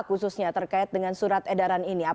khususnya terkait dengan surat edaran ini